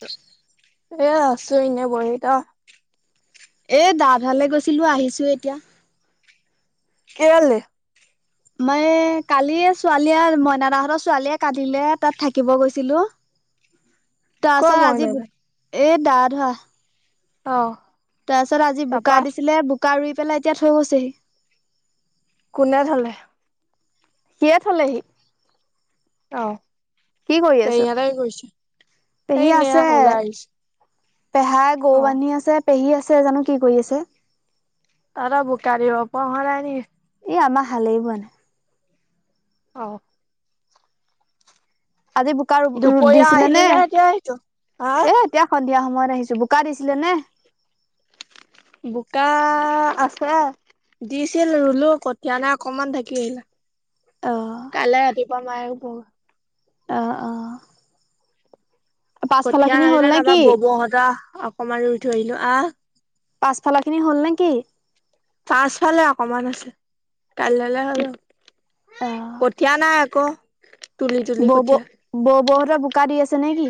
ত এ আছো ইনে বহি ক? এই দাভালে গৈছিলোঁ আহিছোঁ এতিয়া। কেলে? মই এই কালিয়ে ছোৱালীয়ে মইনা দাহঁতৰ ছোৱালীয়ে কান্দিলে তাত থাকিব গৈছিলো। [inaudible] তাৰপাছত মই আজি, নাযায় এ দা ধৰা। অ'। তাৰপিছত আজি বোকা তাৰপা দিছিলে বোকা ৰুই পেলাই এতিয়া থৈ গৈছেহি। কোনে থলে? সিয়ে থ'লেহি। অহ, কি কৰি আছ? তই ইয়াতে কি কৰিছ এ পেহী এনে আছে আক ওলাই আহিছ পেহাই গৌ বান্ধী আছে পেহী আছে জানো কি কৰি আছে। তহতৰ বোকা দিব পৰা হোৱা নাই নি? ই আমা হালেই বোৱা নাই। অহ', আজি বোকা ৰুব ৰুদ দুপৰীয়া আহিলি দিছিলেনে নে এতিয়া আহিছ হা এ এতিয়া সন্ধিয়া সময়ত আহিছো বোকা দিছিলে নে? বোকা আছে। দিছিল ৰুলো কটিয়া নাই অকমান থাকিল। অ', কাইলে ৰাতিপুৱা মায় ৰুব। অ', অ', পাছফালৰ কঠীয়া খিনি হ'ল নে কি? [unintelligible] ববৌহঁতৰ অকমান ৰুই থৈ আহিলোঁ আহ পাছফালৰখিনি হ'ল নে কি? পাছফালে অকমান আছে কাইলৈলে হৈ যাব। অ' কঠীয়া নাই আকৌ তুলি -তুলি বৌ কঠীয়া। বৌ -বৌ হতৰ বোকা দি আছে নেকি?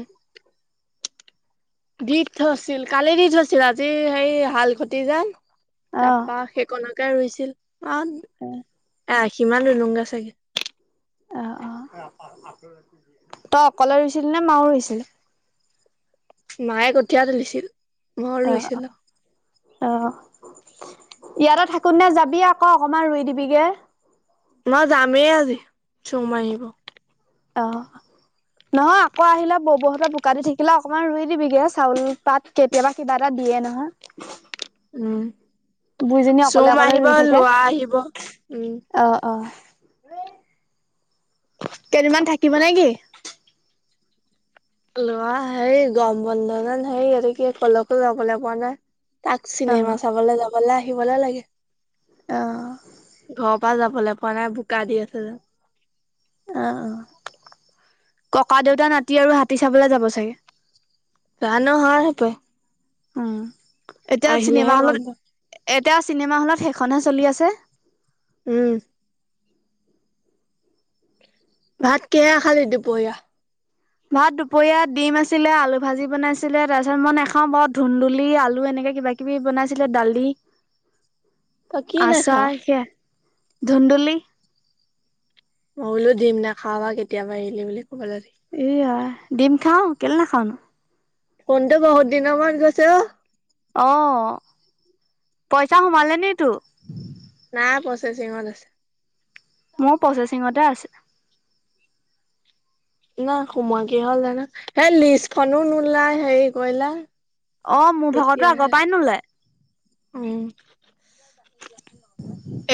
দি থছিল কালি দি থৈছিল আজি সেই হাল খটি যে। অ' তাৰপা সেইকণকে ৰুইছিল আ [unintelligible] আ সিমানে লুংগে চাগে। অ', অ', তই অকলে ৰুইছিলি নে মাও ৰুইছিলে? মায়ে কঠীয়া তুলিছিল মই অ' ৰুইছিলো। অ, ইয়াতে থাকোনতে যাবি আকৌ অকমান ৰুই দিবিগে। মই যামেই আজি চুম আহিব। অহ', নহয় আকৌ আহিলে বৌ -বৌ হতৰ বোকা দি থাকিলে অকমান ৰুই দিবিগে চাউল পাত। কেতিয়াবা কিবা এটা দিয়ে নহয়। উম, বুঢ়ীজনী অকলে চুম অকলে আহিব ৰুই থাকে। লোৱা আহিব উম। অ', অ', কেইদিনমান থাকিব নে কি? ল'ৰা হেই গমৰ বন্ধ জেন হেই ইয়াতে কি অকলে -অকলে লবলে পোৱা নাই। তাক অ' চিনেমা অ' চাবলৈ যাবলৈ আহিবলে লাগে। অ' ঘৰৰ পৰা যাবলে পোৱা নাই বোকা দি আছে যে। অ', অ', ককা দেউতা নাতি আৰু হাতী চাবলে যাব চাগে। জানো হয় পাই। উম, এতিয়া আহিলেহে চিনেমা হলত গম পাম এতিয়া চিনেমা হলত সেইখনহে চলি আছে। উম, ভাত কেহেৰে খালি দুপৰীয়া? ভাত দুপৰীয়া ডিম আছিলে আলু ভাজি বনাইছিলে তাৰপিছত মই নেখাও বৰত ধুন্দুলি, আলু এনেকে কিবা কিবি বনাইছিলে দালি [unintelligible] তই কি নাখাৱ? আচাৰ সেয়া ধুন্দুলি। মই বোলো দিম না খাব বা, কেতিয়াবা এৰিলি বুলি ক'ব লি এইয়া ডিম খাওঁ কেলে নাখাওঁ ন'। ফনটো বহুত দিনৰ মূৰত গৈছে অ। অ, পইচা সোমালে নি তো? নাই প্ৰচেচিঙত আছে। মোৰ প্ৰচেচিঙতে আছে। ন সোময় কি হ'ল জানো, হেই লিষ্টখনো নোলাই হেৰি কৰিলে। অ মোৰ ভাগতো আগৰ পাই নোলাই। উম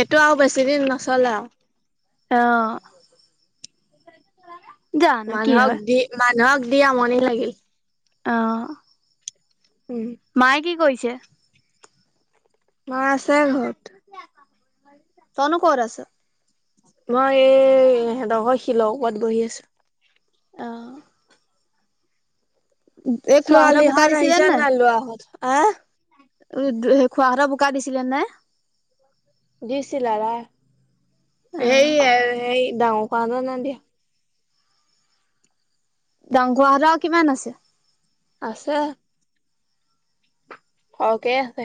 এইটো আৰু বেছিদিন নচলে আও। অহ। জানো কি মানুহক হয় দি, মানুহক দি আমনি লাগিল। অহ। উম। মায় কি কৰিছে? মা আছে ঘৰত। তইনো ক'ত আছ? মই এই সিহঁত ঘৰ শিলত ওপৰত বহি আছো। অঁহ। খুৰাহঁতৰ বোকা ছোৱালীহত দিছিলে আহিছা না লৰাহঁত হা? উ খোৱাহঁতৰ বোকা দিছিলে নে? দিছিল আদাই। অ ‌সে সেই ডাঙ কান না দিয়া। ডাং খুৰা হতৰ আৰু কিমান আছে? আছে সৰহকে আছে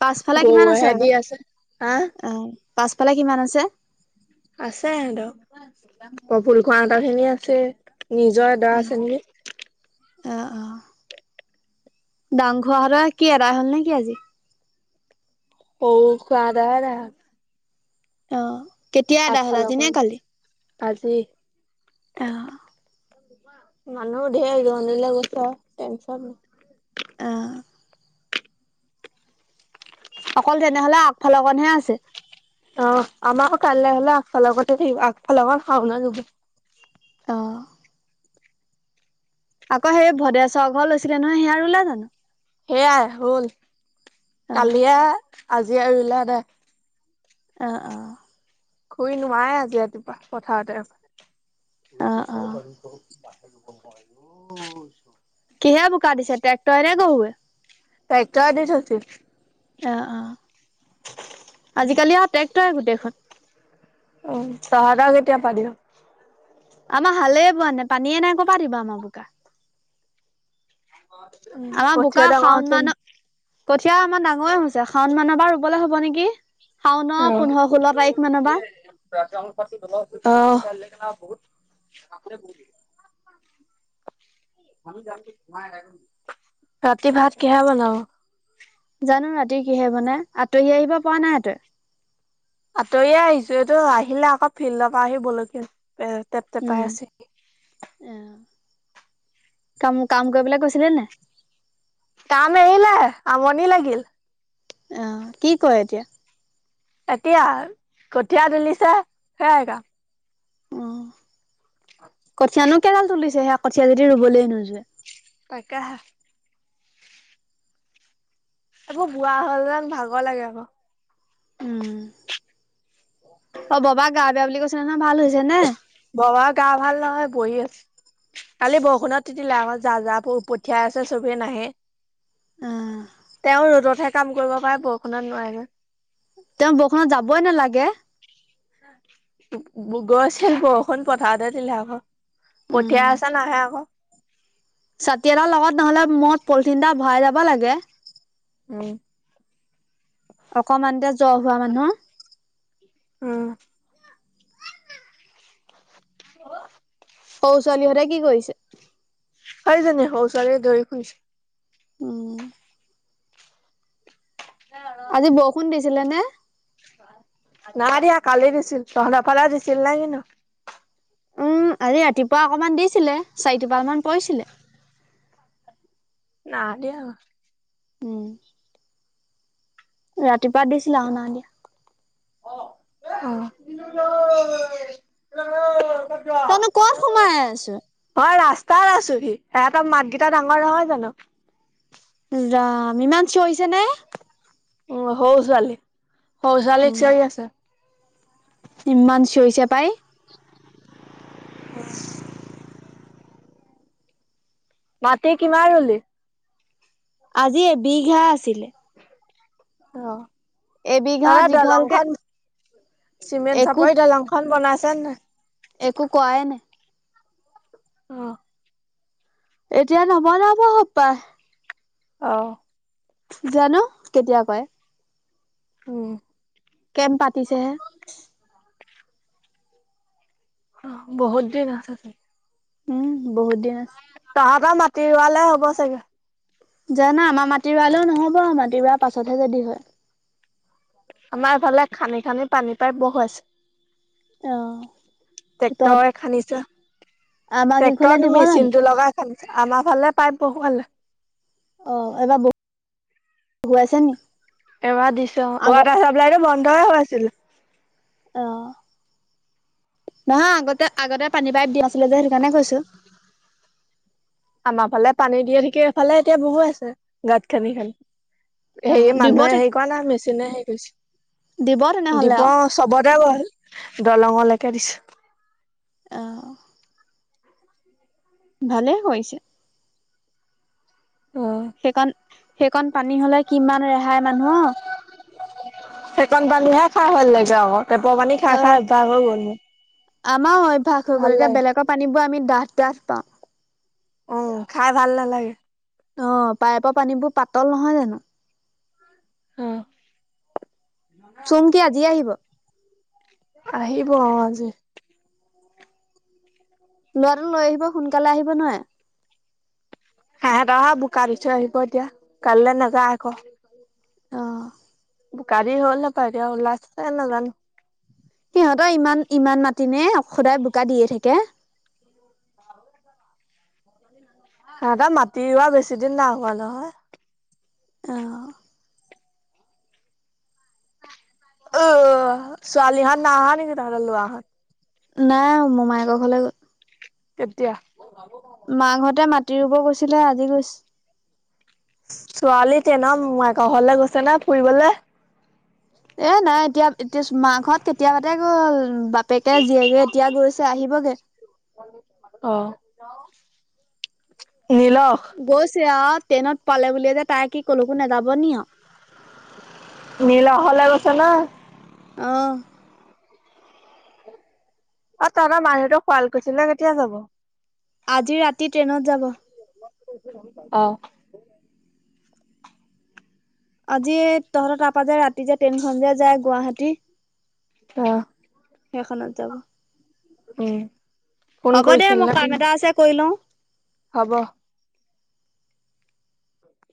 পাছফালে গৰু কিমান আছে আকৌ সেহঁতি আছে। হা? অ পাছফালে কিমান আছে? আছে সিহঁতৰ। প্ৰফুল খুৰা হতৰ খিনি আছে। নিজৰ এডৰা অ আছে নেকি! অ, অ, দাং খুৰাহেতৰ কি এডাই হ'ল নেকি আজি? স'ও খোৱা হতে হে আদায় হ'ল। অহ কেতিয়া এদাই হল আগফালৰ আজিনে খন কালি? আজি অহ। মানুহ ধেৰ আহিগল জণীলে গৈছে আৰু টেনচন। অ অকল তেনেহলে আগফালকনহে আছে। অ আমাৰো কাইলৈ হলে আগফাল লগতে থাকিব, আগফাল শাউন [unintelligible] অ আকৌ ভদেশ্বৰ ঘৰ লৈছিলে নহয় সেয়া ৰোলে জানো? সেয়াই হল, অ কালিয়া আজিয়ে ৰোলে আদাই। অহ, অহ। খুই নোৱাই আজি ৰাতিপুৱা পথাৰতে। অহ, অহ। কিহে বোকা দিছে, ট্ৰেক্টৰে নে গৰুৱে? ট্ৰেক্টৰে দি থৈছিল। অ অ আজিকালি আৰু ট্ৰেক্টৰে গোটেইখন। অ তহতৰ কেতিয়া পাতিব। আমাৰ হালে বোৱা নাই, পানীয়ে নাই, কপা দিব আমাৰ বোকা। আমাৰ বোকা কঠীয়া ডাঙৰ শাওন হৈছে নাই মান, কঠীয়া আমাৰ ডাঙৰে হৈছে। শাওন মানৰ পৰা ৰুবলৈ হ'ব নেকি? শাওন পোন্ধৰ ষোল্ল তাৰিখ মানৰ পা। অহ। [unintelligible] ৰাতি ভাত কিহে বনাও? জানো ৰাতি কিহে বনাই, আঁতহি আহিব পৰা নাই তই। আঁতৰিয়ে আহিছোঁ, এইটো আহিলে আকৌ ফিল্ডৰ পৰা আহি বল লৈকে, এই', উম', এই', কাম-কাম কৰিবলে গৈছিলি নে নাই? কাম এৰিলে, আমনি লাগিল', অ কি কৰে এতিয়া? এতিয়া কঠীয়া তুলিছে সেয়াই কাম। অ কঠীয়ানো কেডাল তুলিছে, সেয়া কঠীয়া যদি ৰুবলৈ নোজোৰে। তাকেহে', এইবোৰ বোৱা হ'লে ভাগৰ লাগে আকৌ', উম', অহ', অ', ববাক গা বেয়া বুলি কৈছে নহয় ভাল হৈছে নে? ববাৰ গা ভাল নহয় বহি আছে', কালি বৰষুণত তিতিলে আকৌ, যা', - যা', প', -পঠিয়াই আছে চবে, নাহে', উম', তেওঁ ৰ'দতহে কাম কৰিব পাৰে, বৰষুণত নোৱাৰে নহয়', তেওঁ বৰষুণত যাবই নালাগে', গ', -গৈ', -গৈছে', বৰষুণ পথাৰতে দিলে আকৌ', উম পঠিয়াই আছে নাহে আকৌ', ছাতি এটাৰ লগত নহ'লে, মূৰত পলিথিন এটা ভৰাই যাব লাগে', উম', অকমানতে জ্বৰ হোৱা মানুহ', উম', অহ', সৰু ছোৱালীহঁতে কি কৰিছে? সেইজনী, সৰু ছোৱালীয়ে দৌৰি ফুৰিছে', উম আজি বৰষুণ দিছিলে নে? নাই দিয়া কালি দিছিল, তহঁতৰ ফালে দিছিল নে কি নো? উম', আজি ৰাতিপুৱা অকমান দিছিলে, চাৰি টোপাল মান পৰিছিলে', নাই দিয়া', উম ৰাতিপুৱা দিছিলে আৰু নাই দিয়া', [unintelligible] ক', তইনো ক'ত হেল্ল', সোমাই আছ? মই ৰাস্তাত আছোঁ হি, সিহঁতৰ মাতকেইটা ডাঙৰ নহয় জানোঁ', ৰাম', ইমান চিঞৰিছে নে', উ', সৰু ছোৱালী, সৰু ছোৱালীক উম, চিঞৰি আছে', ইমান চিঞৰিছে পাই', [unintelligible] মাটি কিমান ৰোলি? আজি এবিঘা আছিলে', অহ', এবিঘা দীঘল কে? চিমেণ্ট চাপৰি দলং খন বনাইছে নাই? একো কৰাই নাই', অহ', এতিয়া নবনাব সপাই', অহ', জানোঁ কেতিয়া কৰে', উম', কেম পাতিছেহে', উ [unintelligible] অহ বহুত দিন আছে চা [unintelligible] উম বহুত দিন আছে। তহঁতৰ মাটি ৰোৱালে হব চাগে। জানা, আমাৰ মাটি ৰোৱালেও নহ'ব মাটি ৰোৱা পাছতহে যদি হয়', আমাৰ ইফালে খান্দি-খান্দি পানী পাইপ বহুৱাইছে', অ' তত টেক্টৰে খান্দিছে', আমাৰ কেইঘৰলে টেক্টৰত দিব জানো? মেচিনটো লগাই খান্দিছে, আমাৰ ফালে পাইপ বহুৱালে', অহ এইবাৰ বহু বহুৱাইছে [unintelligible] ছে নি? এবাৰ দিছে অ', আগত ৱাটাৰ চাপ্লাইতটো বন্ধই হৈ আছিল। অহ, নহয় আগতে, আগতে পানী পাইপ দিয়া আছিলে যে, সেইকাৰণে কৈছো। আমাৰ ফালে পানী দিয়ে ঠিকেই এইফালে এতিয়া বহুৱাই আছে, গাঁত খানি খানি। অ' হেৰি দিব মানুহে তে হেৰি কৰা নাই, মেচিনে হেৰি কৰিছে, দিব তেনেহ'লে দিব আৰু চবতে গ'ল, দলংলৈকে দিছে। অহ। ভালেই কৰিছে। অ'হ। সেইকণ, সেইকণ পানী হলে কিমান ৰেহাই মানুহৰ। সেই কণ পানীহে খাই ভাল লাগে আক, টেপৰ পানী খাই অ'হ, খাই অভ্যাস হৈ গ'ল মোৰ আমাৰ অভ্যয়াস হৈ ভাল গ'ল, এতিয়া লাগে বেলেগৰ পানীবোৰ আমি ডাঠ ডাঠ পাওঁ। উম, খাই ভাল নালাগে। অ'হ, পাইপৰ পানীবোৰ পাতল নহয় জানো। অ'হ। ছুম কি আজিয়ে আহিব? আহিব অ' আজি। লৰাটো লৈ আহিব, সোনকালে আহিব নোৱাৱে। হেহেতৰ [unintelligible] বোকা দি থৈ আহিব এতিয়া, কাইলে নাযায় আকৌ। অ'। বোকা দি হ'ল হপায়, এতিয়া ওলাইছে এ নাজানো সিহঁতৰ ইমান, ইমান মাটি নে, সদায় বোকা দিয়ে থাকে। [inaudible] ন [unintelligible] হেতৰ মাটি ৰোৱা বেছি দিন না হোৱা নহয়। অ'হ। অহ, ছোৱালীহত নহা নেকি, তহতৰ লৰা হত? নাই মোমায়েকৰ ঘলে গল। কেতিয়া? মাকহঁতে মাটি ৰুব গৈছিলে, আজি গৈ। ছোৱালী তেনত, মোমাইকৰ ঘৰলে গৈছে নে ফুৰিবলে। এ নাই এতিয়া, এতি মা ঘৰত কেতিয়াবাতে গল, বাপেকে জীয়েকে এতিয়া গৈছে, আহিবগৈ। [unintelligible] অ', নীলখ? গৈছে আও, ট্ৰেইনত পালে বুলিয়ে যে তাই কি কলকো নাযাব নি আও। নীল হলে গৈছে নে? অ'হ। অ তহতৰ মাহতে শুৱাল কুছিলে কেতিয়া যাব? আজি ৰাতি ট্ৰেইনত যাব। অ'হ। আজি তহঁতৰ তাৰপা যে ৰাতি যে ট্ৰেইনখন যে যায়, গুৱাহাটী [unintelligible] সেইখনত যাব। উম ফোন হ'ব দে কৰিছিল মোৰ নে কাম কিনো? এটা আছে কৰি লওঁ। হ'ব।